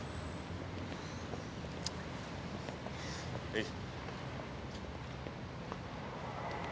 はい。